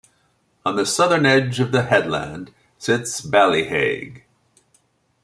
On the southern edge of the headland sits Ballyheigue.